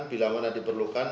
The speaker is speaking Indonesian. bila mana diperlukan